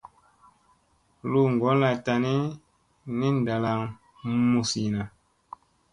Luu ngolla tani ni ndalanga musinna.